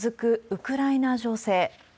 ウクライナ情勢。